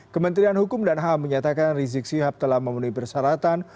kementerian hukum dan ham menyatakan rizik sihab telah memenuhi persyaratan